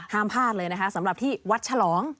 ห้ามพลาดเลยนะคะสำหรับที่วัดฉลอง